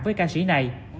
với ca sĩ này